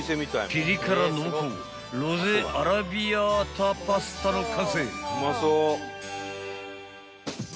［ピリ辛濃厚ロゼアラビアータパスタの完成］